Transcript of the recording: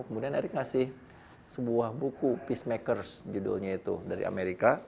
kemudian eric ngasih sebuah buku peacemakers judulnya itu dari amerika